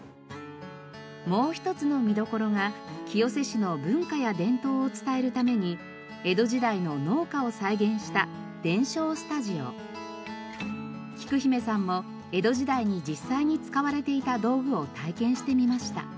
もう一つの見どころが清瀬市の文化や伝統を伝えるために江戸時代の農家を再現したきく姫さんも江戸時代に実際に使われていた道具を体験してみました。